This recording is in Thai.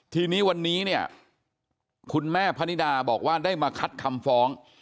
ทีนี้วันนี้เนี่ยคุณแม่พนิดาบอกว่าได้มาคัดคำฟ้อง